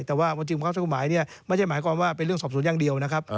แต่ว่าบังคับใช้กฎหมายนี่ไม่ใช่หมายความว่าเป็นเรื่องสอบสวนอย่างเดียวนะครับ